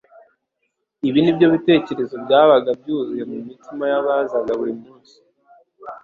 Ibi ni byo bitekerezo byabaga byuzuye mu mitima y’abazaga buri munsi